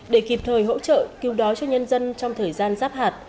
để kịp thời hỗ trợ cứu đói cho nhân dân trong thời gian giáp hạt